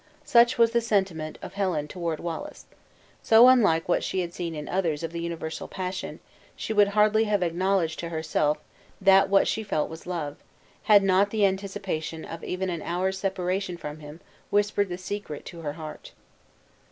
Such was the sentiment of Helen toward Wallace. So unlike what she had seen in others of the universal passion, she would hardly have acknowledged to herself that what she felt was love, had not the anticipation of even an hour's separation from him, whispered the secret to her heart.